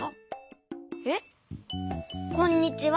えっ？こんにちは。